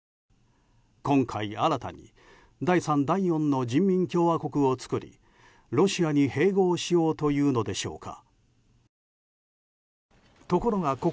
今回、新たに第３、第４の人民共和国を作りロシアに併合しようというのでしょうか。